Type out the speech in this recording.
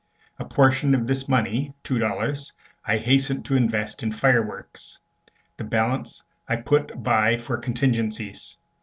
A portion of this money, two dollars, I hastened to invest in fireworks; the balance I put by for contingencies.